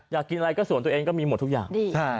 อยากกินอะไรก็ส่วนตัวเองก็มีหมดทุกอย่าง